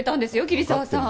桐沢さん。